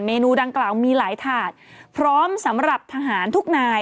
นูดังกล่าวมีหลายถาดพร้อมสำหรับทหารทุกนาย